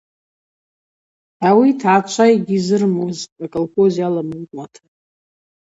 Ауи йтгӏачва йгьизырмутӏ аколхоз йаламылуата.